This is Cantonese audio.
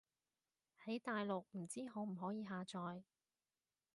喺大陸唔知可唔可以下載